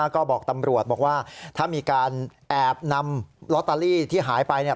ก็บอกตำรวจบอกว่าถ้ามีการแอบนำลอตเตอรี่ที่หายไปเนี่ย